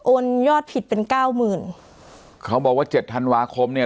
ยอดผิดเป็นเก้าหมื่นเขาบอกว่าเจ็ดธันวาคมเนี่ย